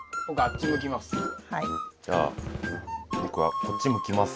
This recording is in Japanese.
じゃあ僕はこっち向きます。